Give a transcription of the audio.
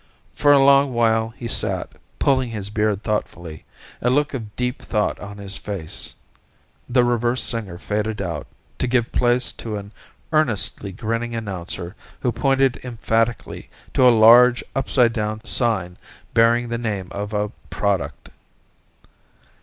For a long while he sat, pulling his beard thoughtfully, a look of deep thought on his face. The reversed singer faded out, to give place to an earnestly grinning announcer who pointed emphatically to a large, upside down sign bearing the name of a product.